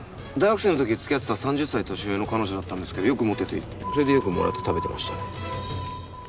大学生の時付き合ってた３０歳年上の彼女だったんですけどよく持っててそれでよくもらって食べてましたね。